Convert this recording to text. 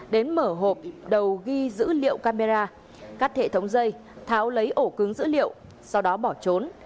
đến mở hộp đầu ghi dữ liệu camera cắt hệ thống dây tháo lấy ổ cứng dữ liệu sau đó bỏ trốn